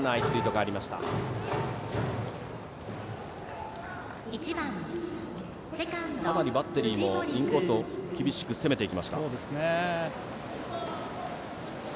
かなりバッテリーもインコースを厳しく攻めていきました。